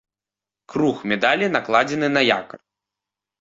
Круг медалі накладзены на якар.